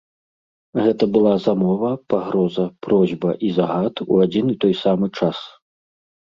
Гэта была замова, пагроза, просьба і загад у адзін і той самы час.